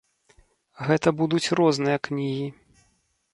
Гэта будуць розныя кнігі.